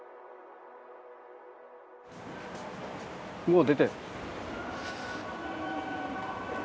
もう出てる。